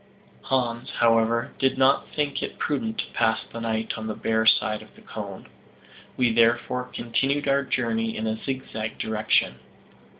Hans, however, did not think it prudent to pass the night on the bare side of the cone. We therefore continued our journey in a zigzag direction.